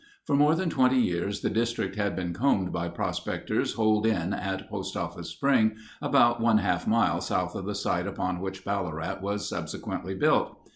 For more than 20 years the district had been combed by prospectors holed in at Post Office Spring, about one half mile south of the site upon which Ballarat was subsequently built.